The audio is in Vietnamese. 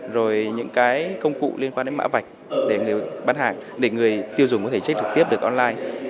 rồi những công cụ liên quan đến mã vạch để người tiêu dùng có thể check trực tiếp được online